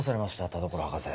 田所博士